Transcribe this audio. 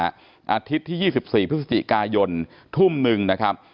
อาทิตย์ที่๒๔พฤศจิกายนทุ่มหนึ่งนะครับ